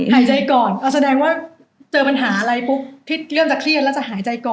หายใจก่อนเอาแสดงว่าเจอปัญหาอะไรปุ๊บพี่เริ่มจะเครียดแล้วจะหายใจก่อน